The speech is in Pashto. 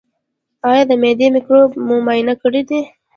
ایا د معدې مکروب مو معاینه کړی دی؟